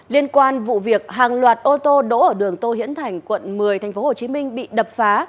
liên quan vụ việc hàng loạt ô tô đỗ ở đường tô hiển thành quận một mươi tp hcm bị đập phá